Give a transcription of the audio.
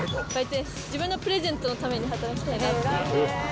自分のプレゼントのために働きたいなって。